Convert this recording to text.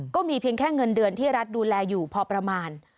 เพียงแค่เงินเดือนที่รัฐดูแลอยู่พอประมาณ